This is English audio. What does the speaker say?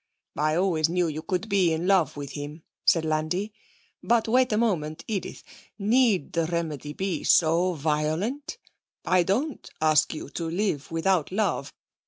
'I always knew you could be in love with him,' said Landi. 'But wait a moment, Edith need the remedy be so violent? I don't ask you to live without love.